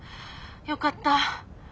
よかった。